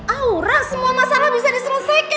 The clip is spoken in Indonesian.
aura semua masalah bisa diselesaikan